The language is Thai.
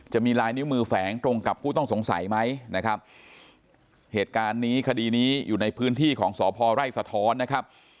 จะมีลายนิ้วมือแฝงตรงกับผู้ต้องสงสัยไหมนะครับเหตุการณ์นี้คดีนี้อยู่ในพื้นที่ของสพไร่สะท้อนนะครับ